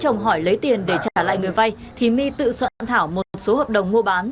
khi ông luận hỏi lấy tiền để trả lại người vây thì my tự soạn thảo một số hợp đồng mua bán